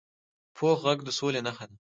پوخ غږ د سولي نښه ده